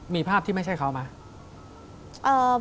มีภาพที่ไม่ใช่เขาไหม